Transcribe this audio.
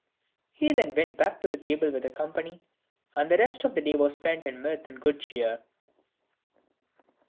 He then went back to the table with the company, and the rest of the day was spent in mirth and good cheer.